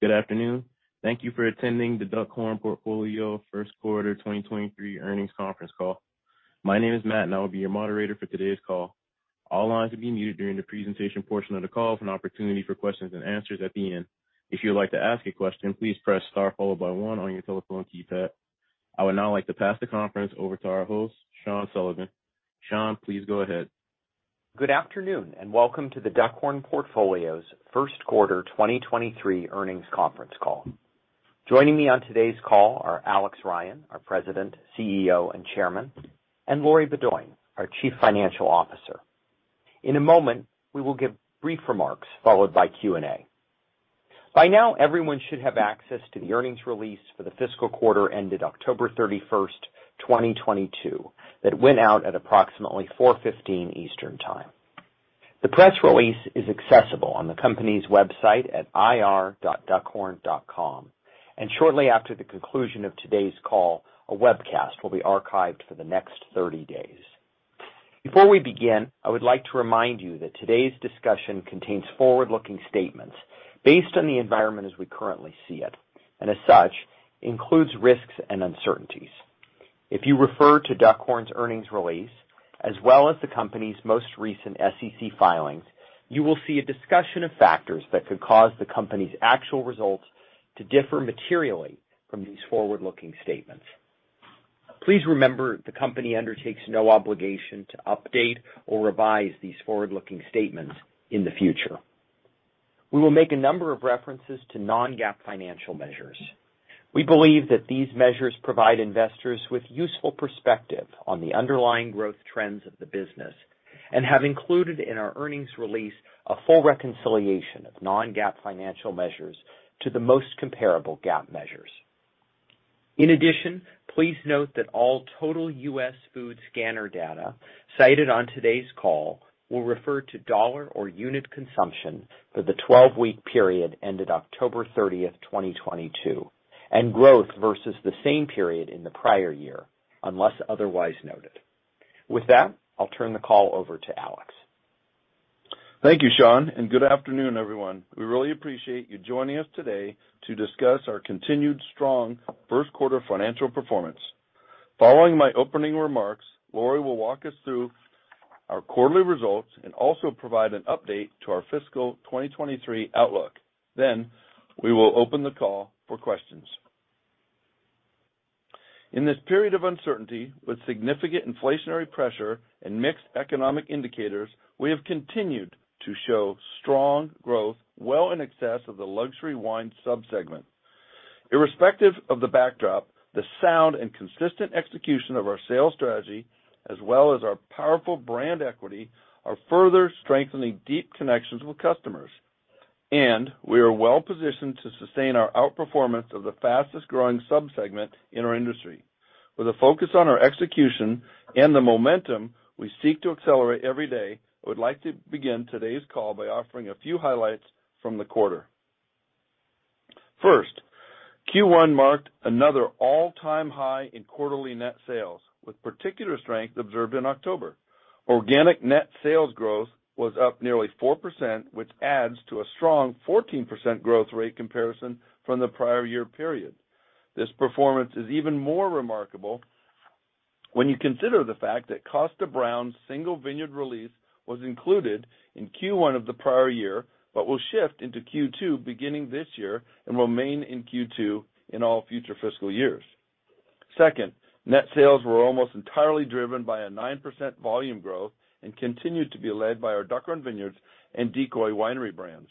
Good afternoon. Thank you for attending The Duckhorn Portfolio Q1 2023 earnings conference call. My name is Matt, and I will be your moderator for today's call. All lines will be muted during the presentation portion of the call for an opportunity for questions and answers at the end. If you would like to ask a question, please press * followed by 1 on your telephone keypad. I would now like to pass the conference over to our host, Sean Sullivan. Sean, please go ahead. Good afternoon, welcome to The Duckhorn Portfolio's Q1 2023 earnings conference call. Joining me on today's call are Alex Ryan, our President, CEO, and Chairman, and Lori Beaudoin, our Chief Financial Officer. In a moment, we will give brief remarks followed by Q&A. By now, everyone should have access to the earnings release for the fiscal quarter ended October 31st, 2022, that went out at approximately 4:15 P.M. Eastern Time. The press release is accessible on the company's website at ir.duckhorn.com. Shortly after the conclusion of today's call, a webcast will be archived for the next 30 days. Before we begin, I would like to remind you that today's discussion contains forward-looking statements based on the environment as we currently see it. As such, includes risks and uncertainties. If you refer to Duckhorn's earnings release, as well as the company's most recent SEC filings, you will see a discussion of factors that could cause the company's actual results to differ materially from these forward-looking statements. Please remember, the company undertakes no obligation to update or revise these forward-looking statements in the future. We will make a number of references to non-GAAP financial measures. We believe that these measures provide investors with useful perspective on the underlying growth trends of the business and have included in our earnings release a full reconciliation of non-GAAP financial measures to the most comparable GAAP measures. Please note that all total US food scanner data cited on today's call will refer to $ or unit consumption for the 12-week period ended October 30, 2022, and growth versus the same period in the prior year, unless otherwise noted. With that, I'll turn the call over to Alex. Thank you, Sean. Good afternoon, everyone. We really appreciate you joining us today to discuss our continued strong Q1 financial performance. Following my opening remarks, Lori will walk us through our quarterly results and also provide an update to our fiscal 2023 outlook. We will open the call for questions. In this period of uncertainty, with significant inflationary pressure and mixed economic indicators, we have continued to show strong growth well in excess of the luxury wine subsegment. Irrespective of the backdrop, the sound and consistent execution of our sales strategy, as well as our powerful brand equity, are further strengthening deep connections with customers. We are well-positioned to sustain our outperformance of the fastest-growing subsegment in our industry. With a focus on our execution and the momentum we seek to accelerate every day, I would like to begin today's call by offering a few highlights from the quarter. 1st, Q1 marked another all-time high in quarterly net sales, with particular strength observed in October. Organic net sales growth was up nearly 4%, which adds to a strong 14% growth rate comparison from the prior year period. This performance is even more remarkable when you consider the fact that Kosta Browne's Single Vineyard release was included in Q1 of the prior year, but will shift into Q2 beginning this year and remain in Q2 in all future fiscal years. 2nd, net sales were almost entirely driven by a 9% volume growth and continued to be led by our Duckhorn Vineyards and Decoy Winery brands.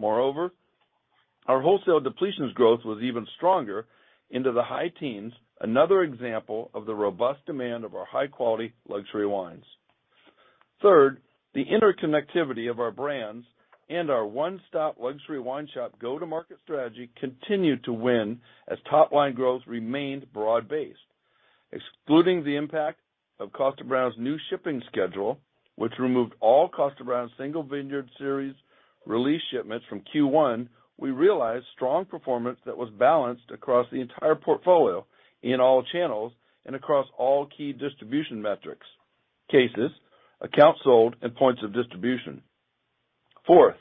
Our wholesale depletions growth was even stronger into the high teens, another example of the robust demand of our high-quality luxury wines. 3rd, the interconnectivity of our brands and our one-stop luxury wine shop go-to-market strategy continued to win as top-line growth remained broad-based. Excluding the impact of Kosta Browne's new shipping schedule, which removed all Kosta Browne's Single Vineyard Series release shipments from Q1, we realized strong performance that was balanced across the entire portfolio in all channels and across all key distribution metrics, cases, accounts sold, and points of distribution. 4th,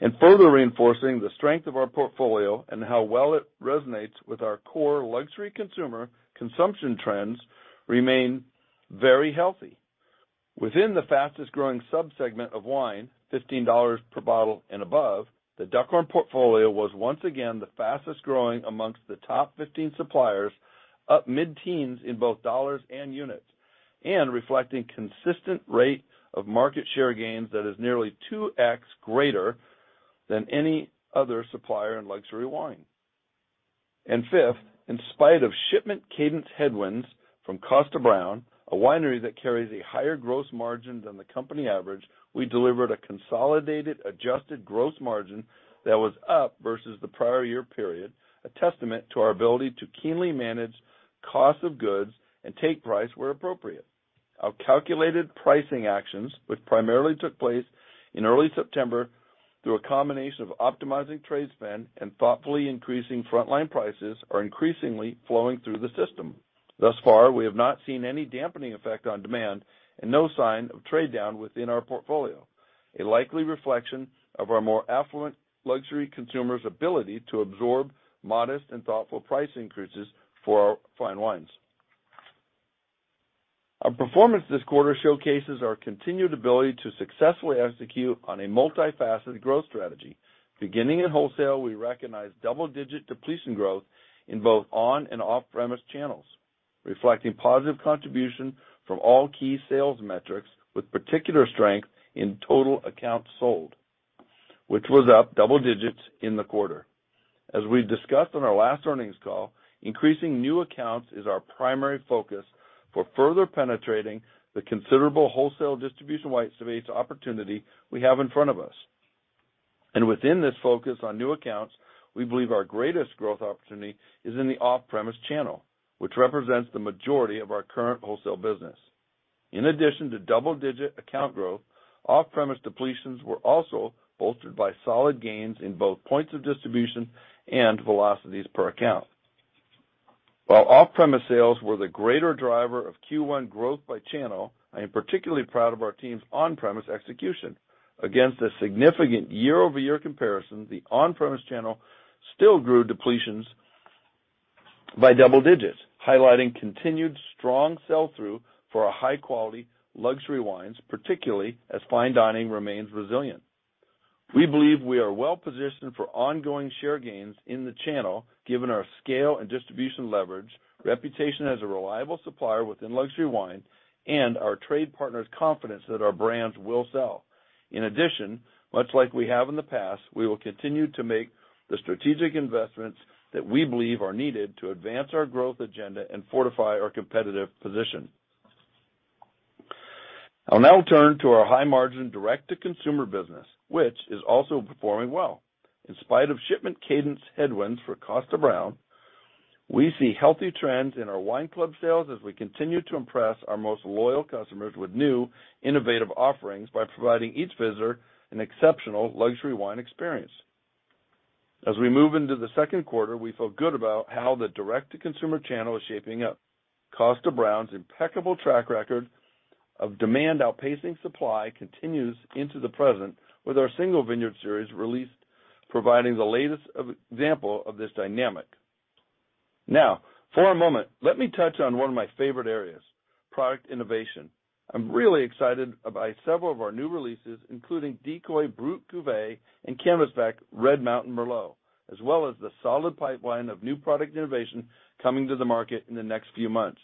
in further reinforcing the strength of our portfolio and how well it resonates with our core luxury consumer, consumption trends remain very healthy. Within the fastest-growing subsegment of wine, $15 per bottle and above, The Duckhorn Portfolio was once again the fastest-growing amongst the 15 suppliers, up mid-teens in both dollars and units, and reflecting consistent rate of market share gains that is nearly 2x greater than any other supplier in luxury wine. 5th, in spite of shipment cadence headwinds from Kosta Browne, a winery that carries a higher gross margin than the company average, we delivered a consolidated adjusted gross margin that was up versus the prior year period, a testament to our ability to keenly manage cost of goods and take price where appropriate. Our calculated pricing actions, which primarily took place in early September through a combination of optimizing trade spend and thoughtfully increasing frontline prices, are increasingly flowing through the system. Thus far, we have not seen any dampening effect on demand and no sign of trade down within our portfolio, a likely reflection of our more affluent luxury consumers' ability to absorb modest and thoughtful price increases for our fine wines. Our performance this quarter showcases our continued ability to successfully execute on a multifaceted growth strategy. Beginning in wholesale, we recognize double-digit depletion growth in both on and off-premise channels, reflecting positive contribution from all key sales metrics, with particular strength in total accounts sold, which was up double digits in the quarter. As we discussed on our last earnings call, increasing new accounts is our primary focus for further penetrating the considerable wholesale distribution white space opportunity we have in front of us. Within this focus on new accounts, we believe our greatest growth opportunity is in the off-premise channel, which represents the majority of our current wholesale business. In addition to double-digit account growth, off-premise depletions were also bolstered by solid gains in both points of distribution and velocities per account. While off-premise sales were the greater driver of Q1 growth by channel, I am particularly proud of our team's on-premise execution. Against a significant year-over-year comparison, the on-premise channel still grew depletions by double digits, highlighting continued strong sell-through for our high-quality luxury wines, particularly as fine dining remains resilient. We believe we are well-positioned for ongoing share gains in the channel given our scale and distribution leverage, reputation as a reliable supplier within luxury wine, and our trade partners' confidence that our brands will sell. In addition, much like we have in the past, we will continue to make the strategic investments that we believe are needed to advance our growth agenda and fortify our competitive position. I'll now turn to our high-margin direct-to-consumer business, which is also performing well. In spite of shipment cadence headwinds for Kosta Browne, we see healthy trends in our wine club sales as we continue to impress our most loyal customers with new, innovative offerings by providing each visitor an exceptional luxury wine experience. As we move into the Q2, we feel good about how the direct-to-consumer channel is shaping up. Kosta Browne's impeccable track record of demand outpacing supply continues into the present with our Single Vineyard Series release providing the latest example of this dynamic. Now, for a moment, let me touch on 1 of my favorite areas, product innovation. I'm really excited about several of our new releases, including Decoy Brut Cuvée and Canvasback Red Mountain Merlot, as well as the solid pipeline of new product innovation coming to the market in the next few months.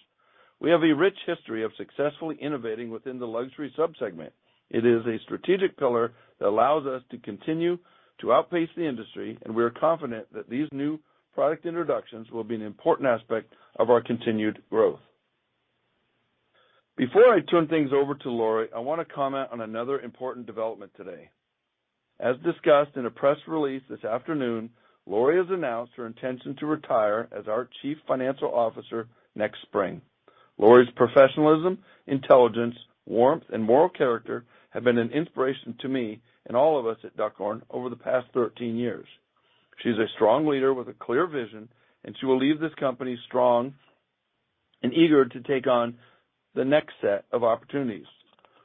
We have a rich history of successfully innovating within the luxury sub-segment. It is a strategic pillar that allows us to continue to outpace the industry, and we are confident that these new product introductions will be an important aspect of our continued growth. Before I turn things over to Lori, I want to comment on another important development today. As discussed in a press release this afternoon, Lori has announced her intention to retire as our Chief Financial Officer next spring. Lori's professionalism, intelligence, warmth, and moral character have been an inspiration to me and all of us at Duckhorn over the past 13 years. She's a strong leader with a clear vision, and she will leave this company strong and eager to take on the next set of opportunities.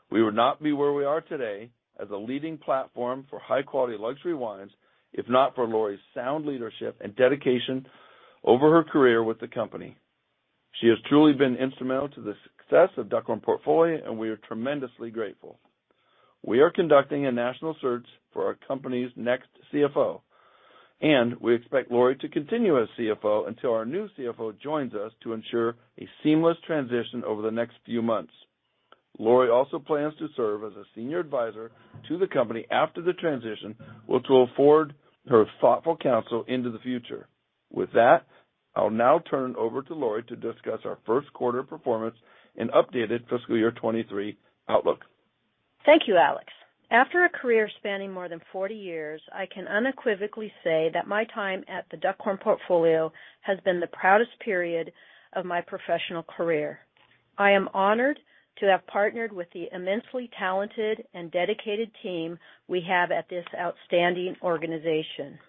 We would not be where we are today as a leading platform for high-quality luxury wines if not for Lori's sound leadership and dedication over her career with the company. She has truly been instrumental to the success of The Duckhorn Portfolio, and we are tremendously grateful. We are conducting a national search for our company's next CFO, and we expect Lori to continue as CFO until our new CFO joins us to ensure a seamless transition over the next few months. Lori also plans to serve as a senior advisor to the company after the transition, which will afford her thoughtful counsel into the future. With that, I'll now turn it over to Lori to discuss our Q1 performance and updated fiscal year 2023 outlook. Thank you, Alex. After a career spanning more than 40 years, I can unequivocally say that my time at The Duckhorn Portfolio has been the proudest period of my professional career. I am honored to have partnered with the immensely talented and dedicated team we have at this outstanding organization.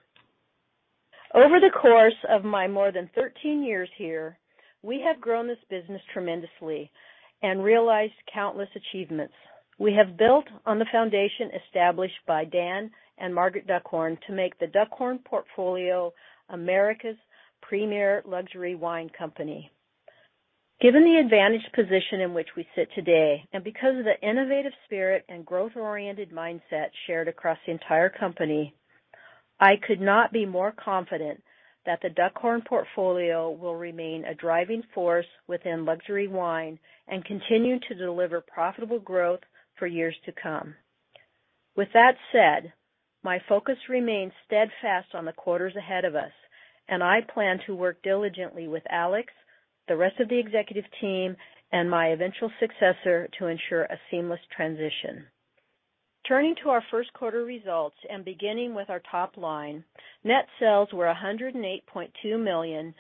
Over the course of my more than 13 years here, we have grown this business tremendously and realized countless achievements. We have built on the foundation established by Dan and Margaret Duckhorn to make The Duckhorn Portfolio America's premier luxury wine company. Given the advantaged position in which we sit today, because of the innovative spirit and growth-oriented mindset shared across the entire company, I could not be more confident that The Duckhorn Portfolio will remain a driving force within luxury wine and continue to deliver profitable growth for years to come. With that said, my focus remains steadfast on the quarters ahead of us, I plan to work diligently with Alex, the rest of the executive team, and my eventual successor to ensure a seamless transition. Turning to our Q1 results and beginning with our top line, net sales were $108.2 million,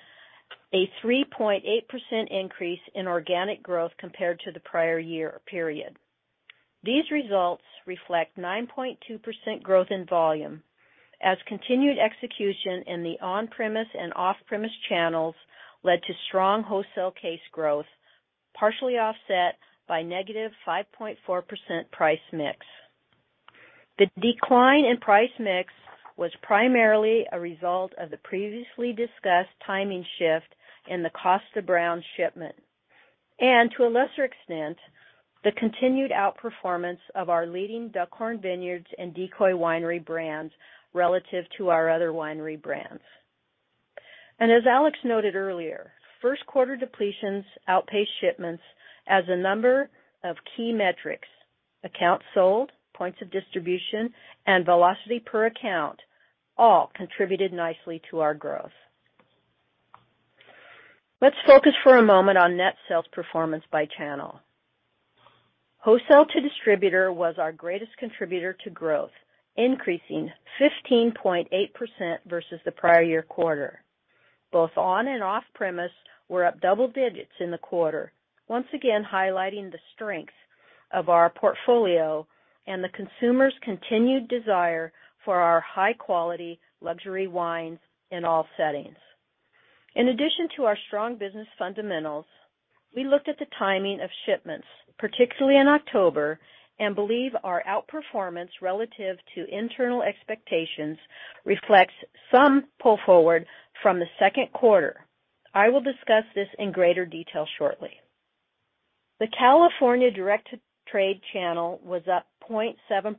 a 3.8% increase in organic growth compared to the prior year period. These results reflect 9.2% growth in volume as continued execution in the on-premise and off-premise channels led to strong wholesale case growth, partially offset by -5.4% price mix. The decline in price mix was primarily a result of the previously discussed timing shift in the Kosta Browne shipment and to a lesser extent, the continued outperformance of our leading Duckhorn Vineyards and Decoy Winery brands relative to our other winery brands. As Alex noted earlier, Q1 depletions outpaced shipments as a number of key metrics, accounts sold, points of distribution, and velocity per account all contributed nicely to our growth. Let's focus for a moment on net sales performance by channel. Wholesale to distributor was our greatest contributor to growth, increasing 15.8% versus the prior year quarter. Both on and off premise were up double digits in the quarter, once again highlighting the strength of our portfolio and the consumer's continued desire for our high-quality luxury wines in all settings. In addition to our strong business fundamentals, we looked at the timing of shipments, particularly in October, and believe our outperformance relative to internal expectations reflects some pull forward from the Q2. I will discuss this in greater detail shortly. The California direct to trade channel was up 0.7%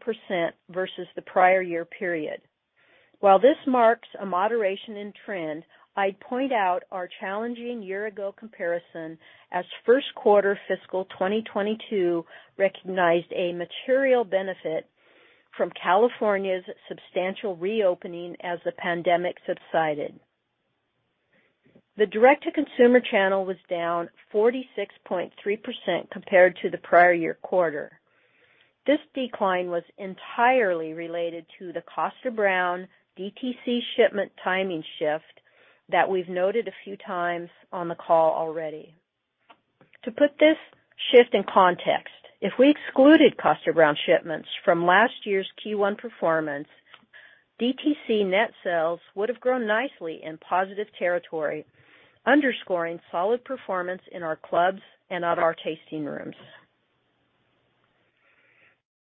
versus the prior year period. While this marks a moderation in trend, I'd point out our challenging year-ago comparison as Q1 fiscal 2022 recognized a material benefit from California's substantial reopening as the pandemic subsided. The direct-to-consumer channel was down 46.3% compared to the prior year quarter. This decline was entirely related to the Kosta Browne DTC shipment timing shift that we've noted a few times on the call already. To put this shift in context, if we excluded Kosta Browne shipments from last year's Q1 performance, DTC net sales would have grown nicely in positive territory, underscoring solid performance in our clubs and other tasting rooms.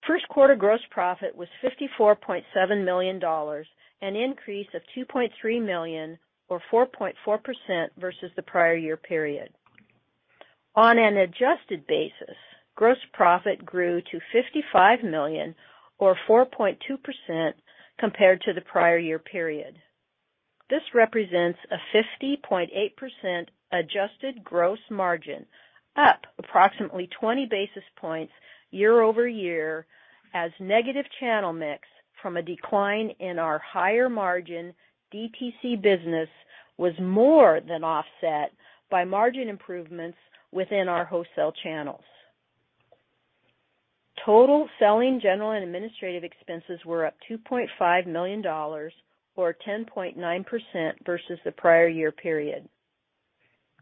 Q1 gross profit was $54.7 million, an increase of $2.3 million or 4.4% versus the prior year period. On an adjusted basis, gross profit grew to $55 million or 4.2% compared to the prior year period. This represents a 50.8% adjusted gross margin, up approximately 20 basis points year-over-year, as negative channel mix from a decline in our higher margin DTC business was more than offset by margin improvements within our wholesale channels. Total selling, general and administrative expenses were up $2.5 million or 10.9% versus the prior year period.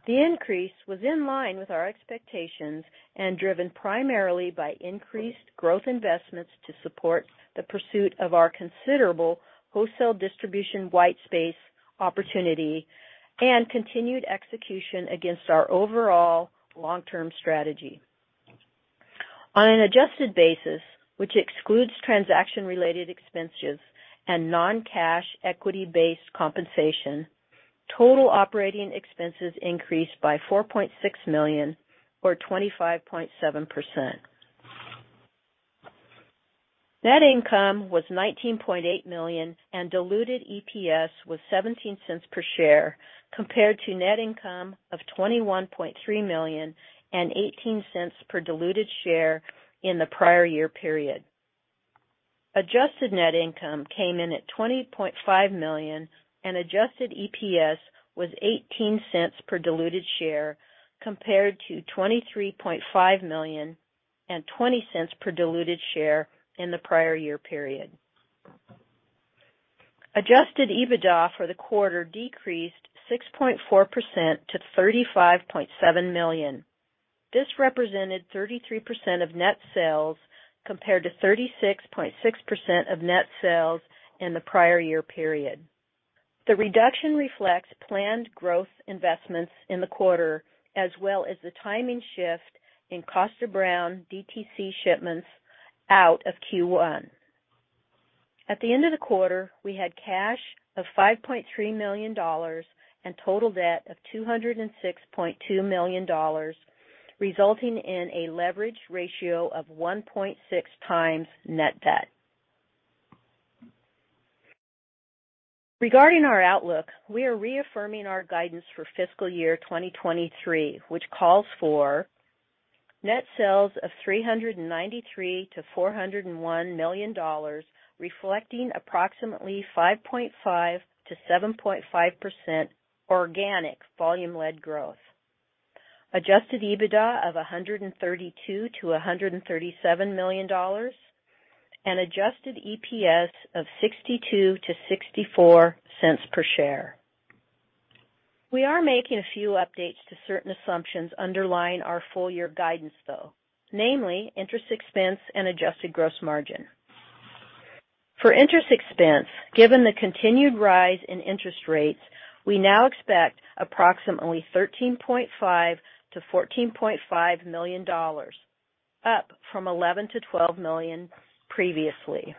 The increase was in line with our expectations and driven primarily by increased growth investments to support the pursuit of our considerable wholesale distribution whitespace opportunity and continued execution against our overall long-term strategy. On an adjusted basis, which excludes transaction-related expenses and non-cash equity-based compensation, total operating expenses increased by $4.6 million or 25.7%. Net income was $19.8 million and diluted EPS was $0.17 per share, compared to net income of $21.3 million and $0.18 per diluted share in the prior year period. Adjusted net income came in at $20.5 million, and adjusted EPS was $0.18 per diluted share, compared to $23.5 million and $0.20 per diluted share in the prior year period. Adjusted EBITDA for the quarter decreased 6.4% to $35.7 million. This represented 33% of net sales, compared to 36.6% of net sales in the prior year period. The reduction reflects planned growth investments in the quarter, as well as the timing shift in Kosta Browne DTC shipments out of Q1. At the end of the quarter, we had cash of $5.3 million and total debt of $206.2 million, resulting in a leverage ratio of 1.6 times net debt. Regarding our outlook, we are reaffirming our guidance for fiscal year 2023, which calls for net sales of $393 million to $401 million, reflecting approximately 5.5% to 7.5% organic volume-led growth. Adjusted EBITDA of $132 million to $137 million and adjusted EPS of $0.62-$0.64 per share. We are making a few updates to certain assumptions underlying our full year guidance, though, namely interest expense and adjusted gross margin. For interest expense, given the continued rise in interest rates, we now expect approximately $13.5 million to $14.5 million, up from $11 million to $12 million previously.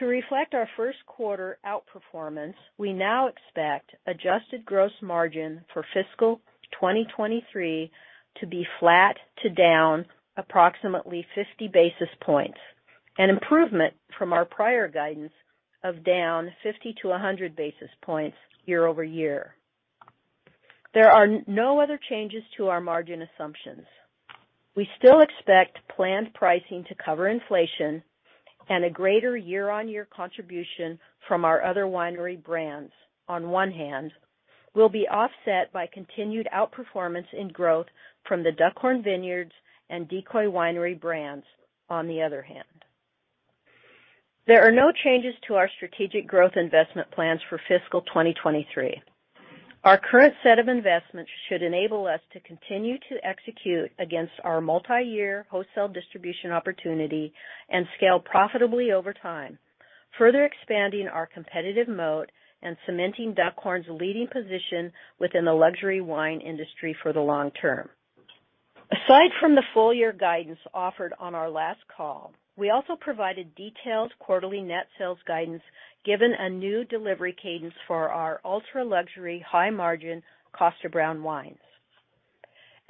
To reflect our Q1 outperformance, we now expect adjusted gross margin for fiscal 2023 to be flat to down approximately 50 basis points, an improvement from our prior guidance of down 50-100 basis points year-over-year. There are no other changes to our margin assumptions. We still expect planned pricing to cover inflation and a greater year-on-year contribution from our other winery brands, on 1 hand, will be offset by continued outperformance in growth from the Duckhorn Vineyards and Decoy Winery brands, on the other hand. There are no changes to our strategic growth investment plans for fiscal 2023. Our current set of investments should enable us to continue to execute against our multiyear wholesale distribution opportunity and scale profitably over time, further expanding our competitive moat and cementing Duckhorn's leading position within the luxury wine industry for the long term. Aside from the full year guidance offered on our last call, we also provided detailed quarterly net sales guidance given a new delivery cadence for our ultra-luxury high-margin Kosta Browne wines.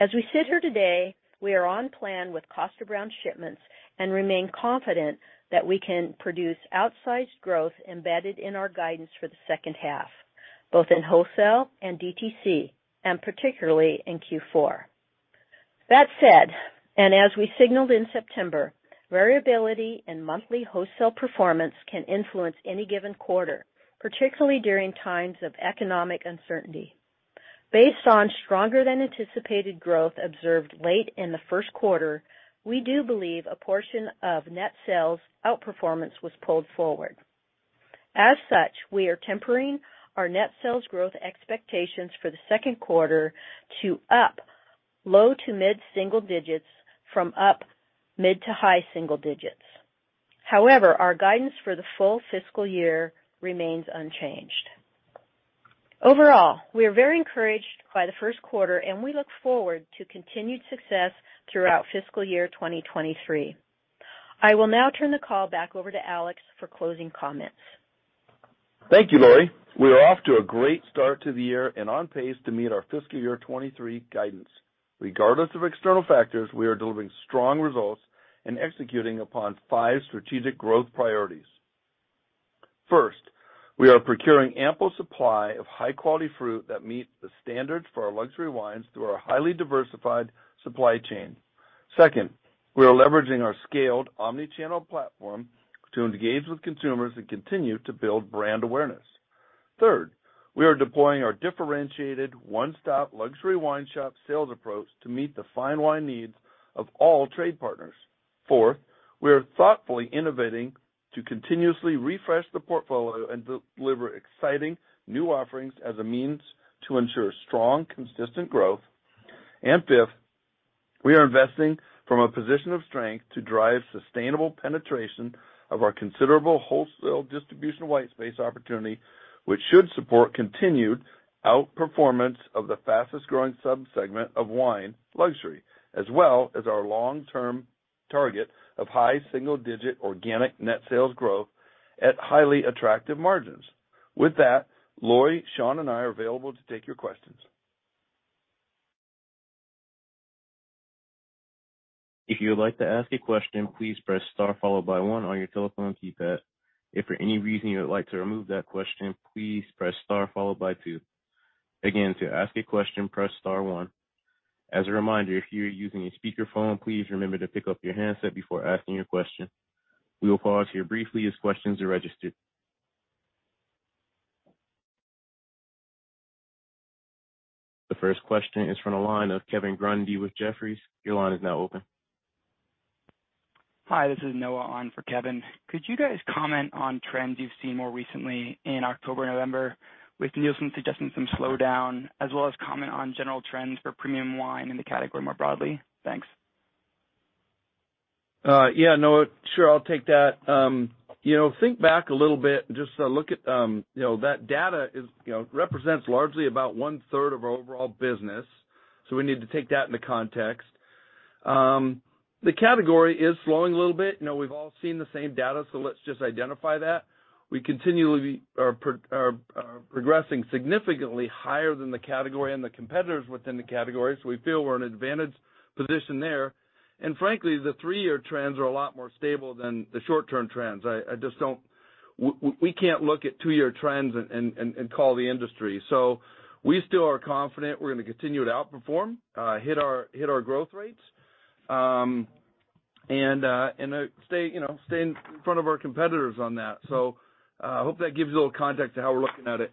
As we sit here today, we are on plan with Kosta Browne shipments and remain confident that we can produce outsized growth embedded in our guidance for the H2, both in wholesale and DTC, and particularly in Q4. That said, as we signaled in September, variability in monthly wholesale performance can influence any given quarter, particularly during times of economic uncertainty. Based on stronger than anticipated growth observed late in the Q1, we do believe a portion of net sales outperformance was pulled forward. As such, we are tempering our net sales growth expectations for the Q2 to up low to mid-single digits from up mid to high single digits. However, our guidance for the full fiscal year remains unchanged. Overall, we are very encouraged by the Q1, and we look forward to continued success throughout fiscal year 2023. I will now turn the call back over to Alex for closing comments. Thank you, Lori. We are off to a great start to the year and on pace to meet our fiscal year 23 guidance. Regardless of external factors, we are delivering strong results and executing upon 5 strategic growth priorities. 1st, we are procuring ample supply of high-quality fruit that meets the standards for our luxury wines through our highly diversified supply chain. 2nd, we are leveraging our scaled omni-channel platform to engage with consumers and continue to build brand awareness. 3rd, we are deploying our differentiated one-stop luxury wine shop sales approach to meet the fine wine needs of all trade partners. 4th, we are thoughtfully innovating to continuously refresh the portfolio and deliver exciting new offerings as a means to ensure strong, consistent growth. 5th, we are investing from a position of strength to drive sustainable penetration of our considerable wholesale distribution white space opportunity, which should support continued outperformance of the fastest-growing subsegment of wine luxury, as well as our long-term target of high single-digit organic net sales growth at highly attractive margins. With that, Lori, Sean, and I are available to take your questions. If you would like to ask a question, please press * followed by 1 on your telephone keypad. If for any reason you would like to remove that question, please press * followed by 2. Again, to ask a question, press * 1. As a reminder, if you're using a speakerphone, please remember to pick up your handset before asking your question. We will pause here briefly as questions are registered. The 1st question is from the line of Kevin Grundy with Jefferies. Your line is now open. Hi, this is Noah on for Kevin. Could you guys comment on trends you've seen more recently in October, November, with Nielsen suggesting some slowdown, as well as comment on general trends for premium wine in the category more broadly? Thanks. Yeah, Noah, sure. I'll take that. You know, think back a little bit just to look at, you know, that data is, you know, represents largely about 1/3 of our overall business, so we need to take that into context. The category is slowing a little bit. You know, we've all seen the same data, so let's just identify that. We continually are progressing significantly higher than the category and the competitors within the category, so we feel we're in an advantaged position there. Frankly, the 3-year trends are a lot more stable than the short-term trends. I just don't, we can't look at 2-year trends and call the industry. We still are confident we're gonna continue to outperform, hit our growth rates, and stay, you know, in front of our competitors on that. Hope that gives a little context to how we're looking at it.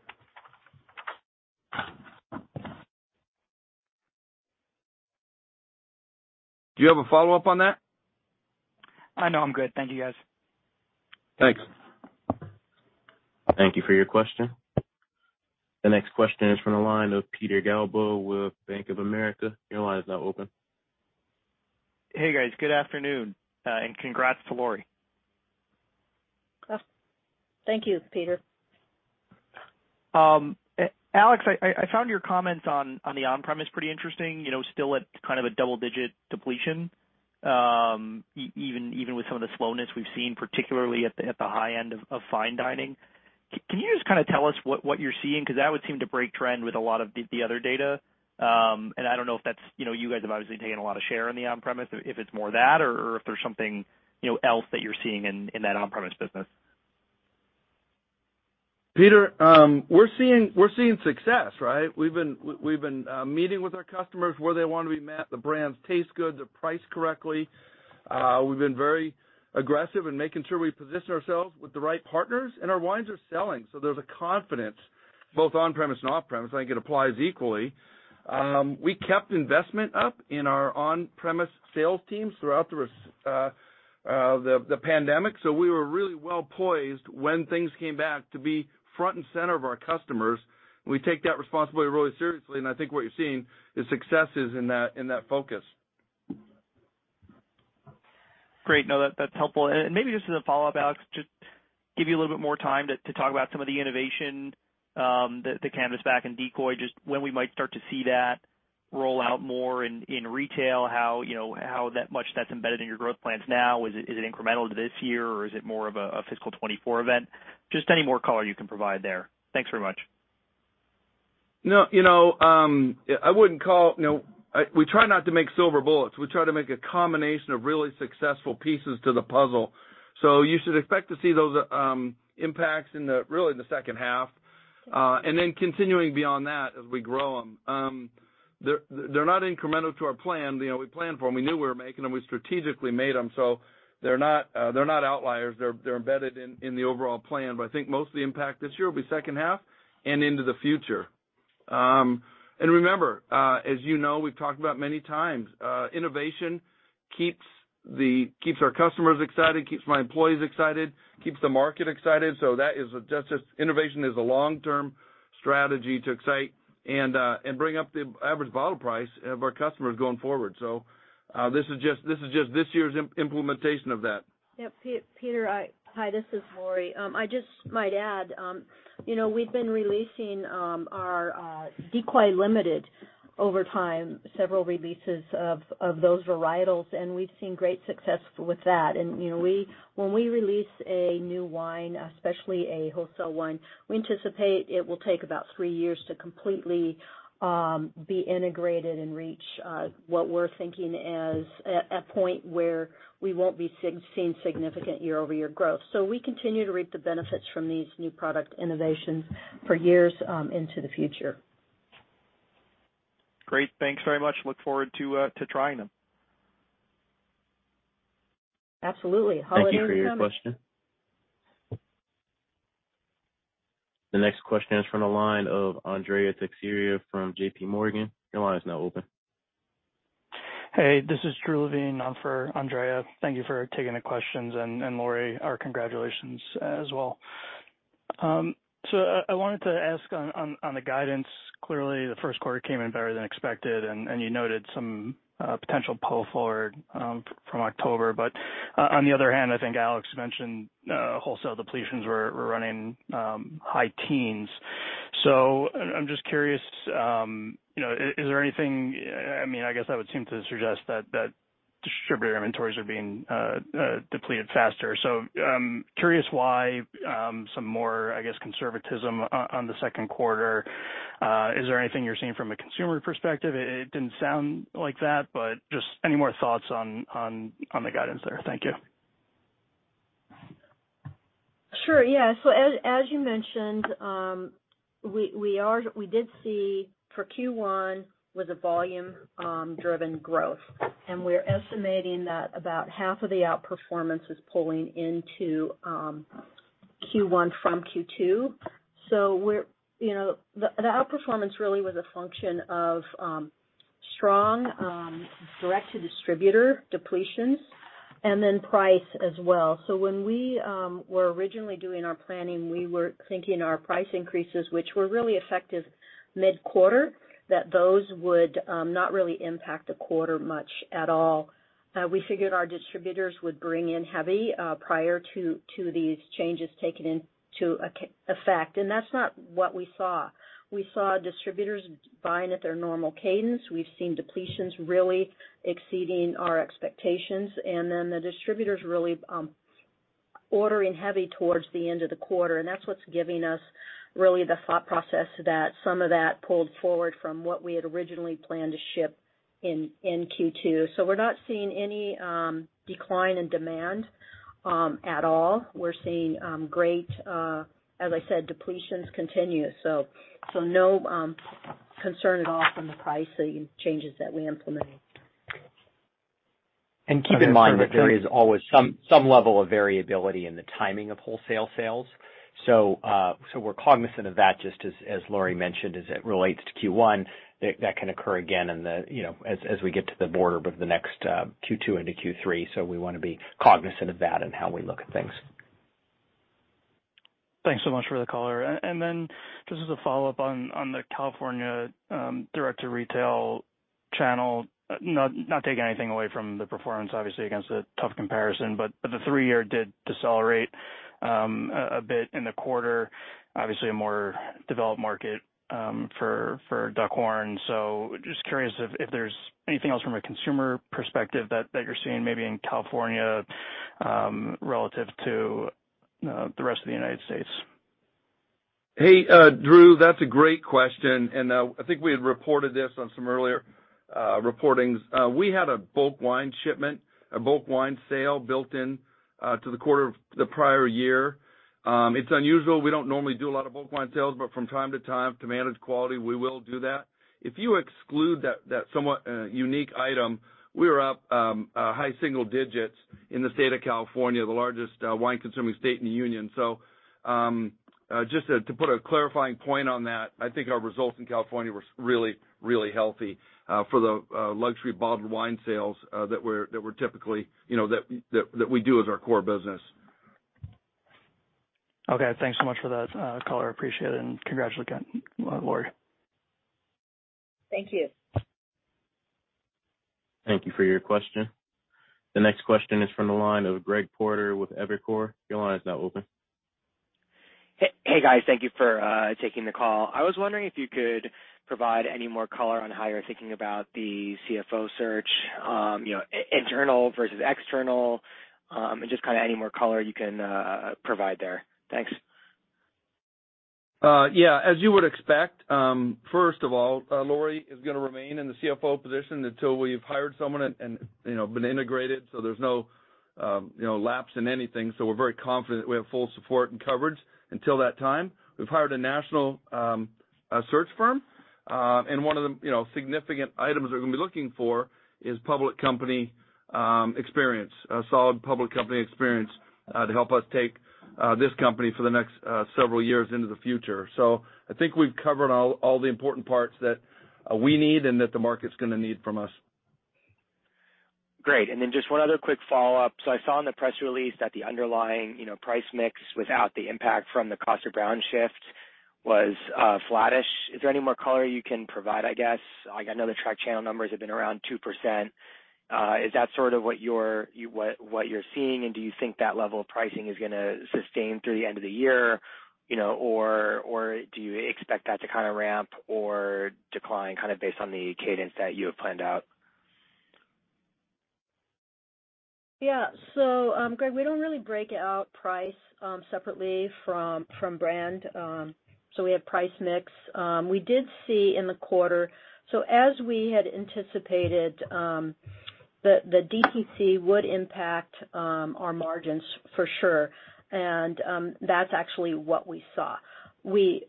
Do you have a follow-up on that? No, I'm good. Thank you, guys. Thanks. Thank you for your question. The next question is from the line of Peter Galbo with Bank of America. Your line is now open. Hey, guys. Good afternoon. Congrats to Lori. Thank you, Peter. Alex, I found your comments on the on-premise pretty interesting, you know, still at kinda a double-digit depletion, even with some of the slowness we've seen, particularly at the high end of fine dining. Can you just kinda tell us what you're seeing? 'Cause that would seem to break trend with a lot of the other data. I don't know if that's, you know, you guys have obviously taken a lot of share in the on-premise, if it's more that or if there's something, you know, else that you're seeing in that on-premise business. Peter, we're seeing success, right? We've been meeting with our customers where they wanna be met. The brands taste good, they're priced correctly. We've been very aggressive in making sure we position ourselves with the right partners, our wines are selling. There's a confidence, both on-premise and off-premise, I think it applies equally. We kept investment up in our on-premise sales teams throughout the pandemic. We were really well poised when things came back to be front and center of our customers. We take that responsibility really seriously, and I think what you're seeing is successes in that, in that focus. Great. No, that's helpful. Maybe just as a follow-up, Alex, just give you a little bit more time to talk about some of the innovation, the Canvasback and Decoy, just when we might start to see that roll out more in retail, how, you know, how that much that's embedded in your growth plans now. Is it incremental to this year, or is it more of a fiscal 2024 event? Just any more color you can provide there. Thanks very much. No, you know, we try not to make silver bullets. We try to make a combination of really successful pieces to the puzzle. You should expect to see those impacts really in the H2 and then continuing beyond that as we grow them. They're not incremental to our plan. You know, we planned for them. We knew we were making them. We strategically made them. They're not, they're not outliers. They're embedded in the overall plan. I think most of the impact this year will be H2 and into the future. Remember, as you know, we've talked about many times, innovation keeps our customers excited, keeps my employees excited, keeps the market excited. That is just as Innovation is a long-term strategy to excite and bring up the average bottle price of our customers going forward. This is just this year's implementation of that. Yeah, Peter. Hi, this is Lori. I just might add, you know, we've been releasing our Decoy Limited over time, several releases of those varietals, and we've seen great success with that. You know, we, when we release a new wine, especially a wholesale wine, we anticipate it will take about 3 years to completely be integrated and reach what we're thinking as a point where we won't be seeing significant year-over-year growth. We continue to reap the benefits from these new product innovations for years into the future. Great. Thanks very much. Look forward to trying them. Absolutely. Holidays coming. Thank you for your question. The next question is from the line of Andrea Teixeira from J.P. Morgan. Your line is now open. Hey, this is Drew Levine for Andrea. Thank you for taking the questions, and Lori, our congratulations as well. I wanted to ask on the guidance. Clearly, the Q1 came in better than expected, and you noted some potential pull forward from October. On the other hand, I think Alex mentioned wholesale depletions were running high teens. I'm just curious, you know, is there anything? I mean, I guess that would seem to suggest that distributor inventories are being depleted faster. I'm curious why some more, I guess, conservatism on the Q2. Is there anything you're seeing from a consumer perspective? It didn't sound like that, just any more thoughts on the guidance there. Thank you. Sure. Yeah. As, as you mentioned, we are, we did see for Q1 was a volume driven growth. We're estimating that about half of the outperformance is pulling into Q1 from Q2. We're, you know, the outperformance really was a function of strong direct-to-distributor depletions and then price as well. When we were originally doing our planning, we were thinking our price increases, which were really effective mid-quarter, that those would not really impact the quarter much at all. We figured our distributors would bring in heavy prior to these changes taking into effect, and that's not what we saw. We saw distributors buying at their normal cadence. We've seen depletions really exceeding our expectations, and then the distributors really ordering heavy towards the end of the quarter. That's what's giving us really the thought process that some of that pulled forward from what we had originally planned to ship in Q2. We're not seeing any decline in demand at all. We're seeing great, as I said, depletions continue, so no concern at all from the pricing changes that we implemented. keep in mind that there is always some level of variability in the timing of wholesale sales. we're cognizant of that just as Lori mentioned, as it relates to Q1, that can occur again in the, you know, as we get to the border of the next Q2 into Q3. we wanna be cognizant of that in how we look at things. Thanks so much for the color. Then just as a follow-up on the California direct-to-retail channel, not taking anything away from the performance, obviously, against a tough comparison, but the 3 year did decelerate a bit in the quarter, obviously a more developed market for Duckhorn. Just curious if there's anything else from a consumer perspective that you're seeing maybe in California relative to the rest of the United States? Hey, Drew, that's a great question. I think we had reported this on some earlier reportings. We had a bulk wine shipment, a bulk wine sale built in to the quarter of the prior year. It's unusual. We don't normally do a lot of bulk wine sales, but from time to time, to manage quality, we will do that. If you exclude that somewhat unique item, we were up a high single digits in the state of California, the largest wine consuming state in the union. Just to put a clarifying point on that, I think our results in California were really, really healthy for the luxury bottled wine sales that were typically, you know, that we do as our core business. Okay. Thanks so much for that, color. Appreciate it, and congratulations, Lori. Thank you. Thank you for your question. The next question is from the line of Greg Porter with Evercore. Your line is now open. Hey, guys. Thank you for taking the call. I was wondering if you could provide any more color on how you're thinking about the CFO search, you know, internal versus external, and just kind of any more color you can provide there. Thanks. Yeah. As you would expect, first of all, Lori is gonna remain in the CFO position until we've hired someone and, you know, been integrated, there's no, you know, lapse in anything. We're very confident that we have full support and coverage until that time. We've hired a national search firm. 1 of the, you know, significant items they're gonna be looking for is public company experience, a solid public company experience, to help us take this company for the next several years into the future. I think we've covered all the important parts that we need and that the market's gonna need from us. Great. Just 1 other quick follow-up. I saw in the press release that the underlying, you know, price mix without the impact from the Kosta Browne shift was flattish. Is there any more color you can provide, I guess? I know the track channel numbers have been around 2%. Is that sort of what you're seeing, and do you think that level of pricing is gonna sustain through the end of the year, you know, or do you expect that to kinda ramp or decline based on the cadence that you have planned out? Greg, we don't really break out price, separately from brand, so we have price mix. We did see in the quarter, so as we had anticipated, the DTC would impact our margins for sure, and that's actually what we saw. Our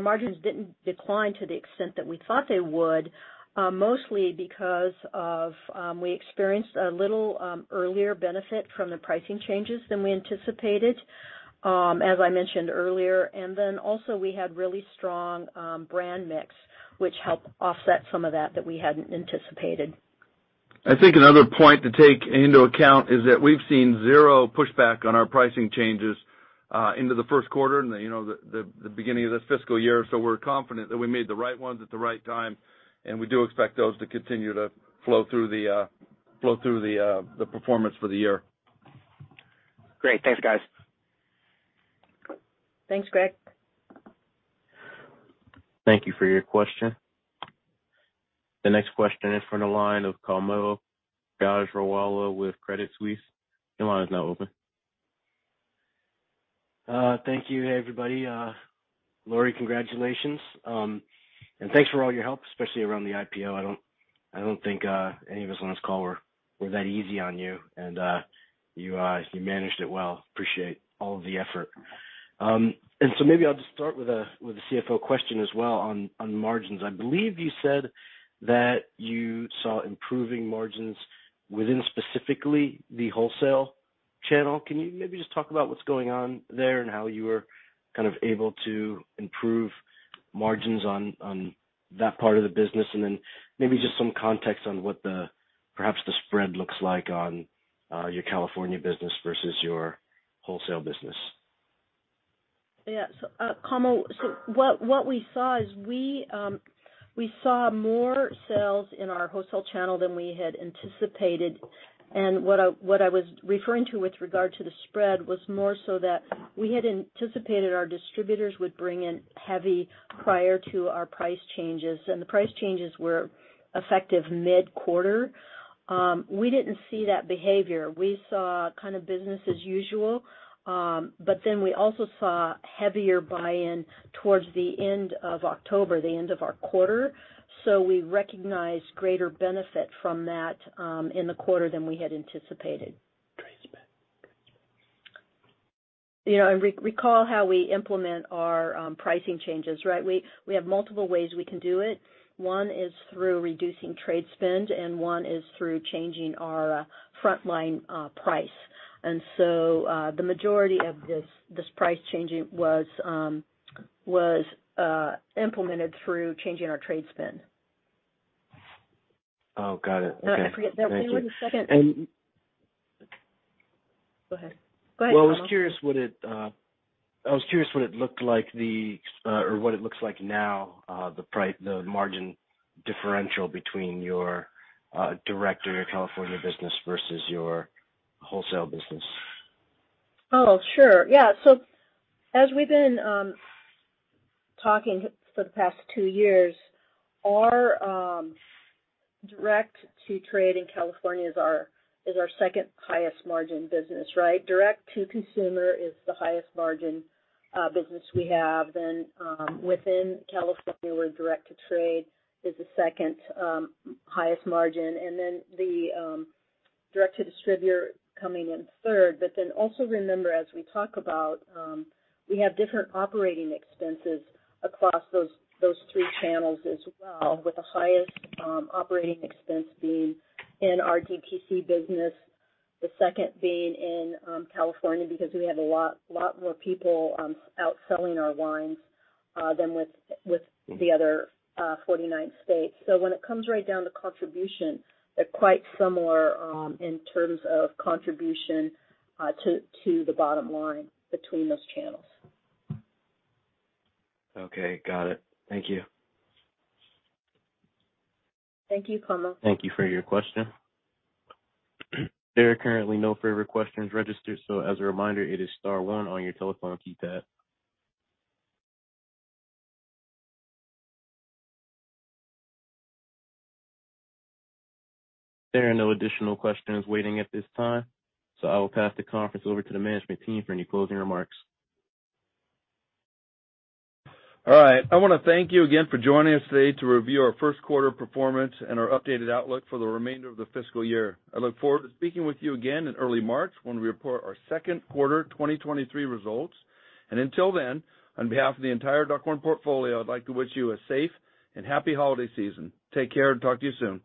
margins didn't decline to the extent that we thought they would, mostly because of, we experienced a little earlier benefit from the pricing changes than we anticipated, as I mentioned earlier. Also we had really strong brand mix, which helped offset some of that that we hadn't anticipated. I think another point to take into account is that we've seen 0 pushback on our pricing changes, into the Q1 and, you know, the beginning of this fiscal year. We're confident that we made the right ones at the right time, and we do expect those to continue to flow through the performance for the year. Great. Thanks, guys. Thanks, Greg. Thank you for your question. The next question is from the line of Kaumil Gajrawala with Credit Suisse. Your line is now open. Thank you. Hey, everybody. Laurie, congratulations. Thanks for all your help, especially around the IPO. I don't think any of us on this call were that easy on you, and you managed it well. Appreciate all of the effort. Maybe I'll just start with a CFO question as well on margins. I believe you said that you saw improving margins within specifically the wholesale channel. Can you maybe just talk about what's going on there and how you were kind of able to improve margins on that part of the business? Maybe just some context on what perhaps the spread looks like on your California business versus your wholesale business. Yeah. Kaumil, what we saw is we saw more sales in our wholesale channel than we had anticipated. What I was referring to with regard to the spread was more so that we had anticipated our distributors would bring in heavy prior to our price changes. The price changes were effective mid-quarter. We didn't see that behavior. We saw kind of business as usual. We also saw heavier buy-in towards the end of October, the end of our quarter. We recognized greater benefit from that in the quarter than we had anticipated. You know, recall how we implement our pricing changes, right? We have multiple ways we can do it. 1 is through reducing trade spend. 1 is through changing our frontline price. The majority of this price changing was implemented through changing our trade spend. Oh, got it. Okay. I forget. There was a 2nd- And- Go ahead. Go ahead, Kaumil. Well, I was curious what it looked like the, or what it looks like now, the margin differential between your, direct to your California business versus your wholesale business. Oh, sure. Yeah. As we've been talking for the past 2 years, our direct to trade in California is our 2nd highest margin business, right? Direct to consumer is the highest margin business we have. Within California, where direct to trade is the 2nd highest margin, and then the direct to distributor coming in 3rd. Also remember, as we talk about, we have different operating expenses across those 3 channels as well, with the highest operating expense being in our DTC business, the 2nd being in California, because we have a lot more people out selling our wines than with the other 49 states. When it comes right down to contribution, they're quite similar in terms of contribution to the bottom line between those channels. Okay, got it. Thank you. Thank you, Kaumil. Thank you for your question. There are currently no further questions registered, so as a reminder, it is * 1 on your telephone keypad. There are no additional questions waiting at this time, so I will pass the conference over to the management team for any closing remarks. All right. I wanna thank you again for joining us today to review our Q1 performance and our updated outlook for the remainder of the fiscal year. I look forward to speaking with you again in early March, when we report our Q2 2023 results. Until then, on behalf of the entire Duckhorn Portfolio, I'd like to wish you a safe and happy holiday season. Take care and talk to you soon.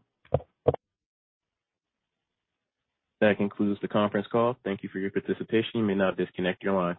That concludes the conference call. Thank you for your participation. You may now disconnect your line.